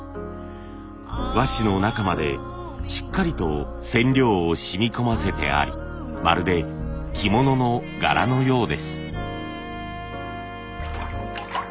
和紙の中までしっかりと染料をしみこませてありまるで着物の柄のようです。